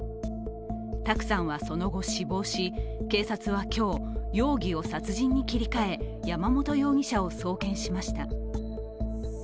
卓さんはその後死亡し警察は今日、容疑を殺人に切り替え、山本容疑者を送検しました。